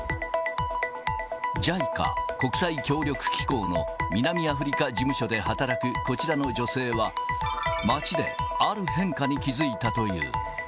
ＪＩＣＡ・国際協力機構の南アフリカ事務所で働くこちらの女性は、街である変化に気付いたという。